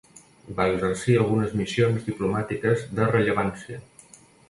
Va exercir algunes missions diplomàtiques de rellevància.